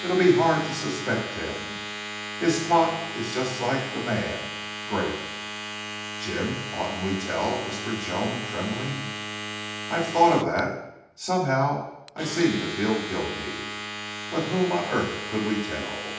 It'll be hard to suspect him. His plot is just like the man great!" "Jim, oughtn't we tell?" whispered Joan, trembling. "I've thought of that. Somehow I seem to feel guilty. But whom on earth could we tell?